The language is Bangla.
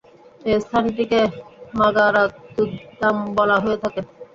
এ স্থানটিকে মাগারাতুদ দাম বলা হয়ে থাকে।